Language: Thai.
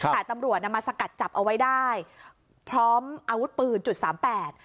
แต่ตำรวจน่ะมาสกัดจับเอาไว้ได้พร้อมอาวุธปืนจุดสามแปด